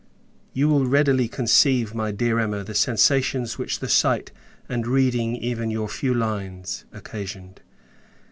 You will readily conceive, my dear Emma, the sensations which the sight and reading even your few lines [occasioned.